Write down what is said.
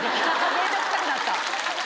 面倒くさくなった。